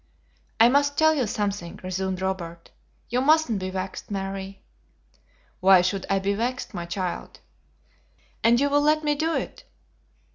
"I must tell you something," resumed Robert. "You mustn't be vexed, Mary!" "Why should I be vexed, my child?" "And you will let me do it?"